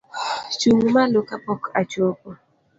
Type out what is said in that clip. Chung' malo ka pok achopo